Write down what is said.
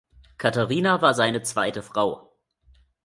Katharina war seine zweite Frau.